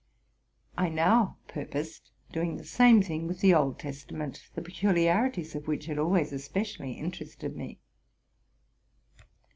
I now purposed doing the same thing with the tELATING TO MY LIFE. 103 Old Testament, the peculiarities of which had always espe cially interested me.